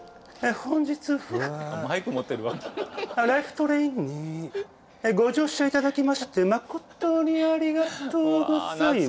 トレインにご乗車いただきまして誠にありがとうございます。